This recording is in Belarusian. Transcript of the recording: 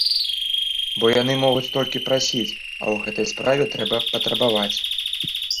Бо яны могуць толькі прасіць, а ў гэтай справе трэба патрабаваць.